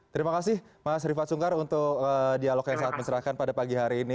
terima kasih mas rifat sungkar untuk dialog yang sangat mencerahkan pada pagi hari ini